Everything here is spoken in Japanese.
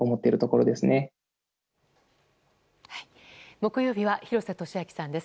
木曜日は、廣瀬俊朗さんです。